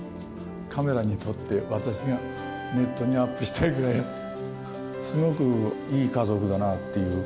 カメラに撮って、私がネットにアップしたいぐらい、すごくいい家族だなっていう。